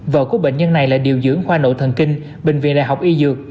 vợ của bệnh nhân này là điều dưỡng khoa nội thần kinh bệnh viện đại học y dược